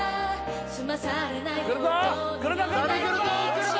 くるぞ！